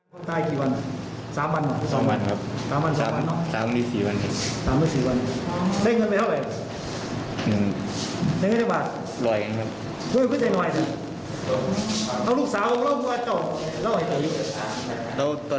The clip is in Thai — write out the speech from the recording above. คนตายกี่วันสามวันหรอสองวันครับสามวันสองวัน